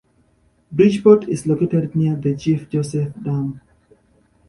Bridgeport is located near the Chief Joseph Dam.